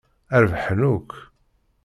Rebḥen akk!